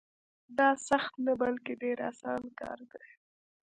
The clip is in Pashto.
دا سخت نه بلکې ډېر اسان کار دی.